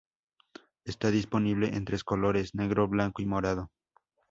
Está disponible es tres colores: negro, blanco, y morado.